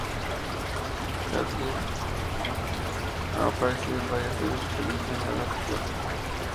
Kathryn ha aparecido en varias series de televisión y obras de teatro.